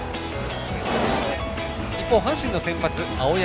一方、阪神の先発、青柳。